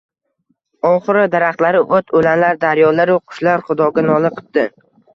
Oxiri daraxtlaru o‘t-o‘lanlar, daryolaru qushlar Xudoga nola qipti.